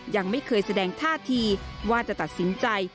ยังไม่เคยแสดงท่าทีว่าจะตัดสินใจ